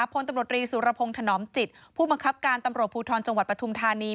พลตำรวจรีสุรพงศ์ถนอมจิตผู้บังคับการตำรวจภูทรจังหวัดปฐุมธานี